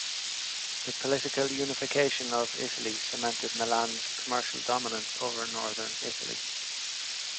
The political unification of Italy cemented Milan's commercial dominance over northern Italy.